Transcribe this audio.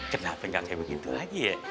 kenapa gak kayak begitu lagi ya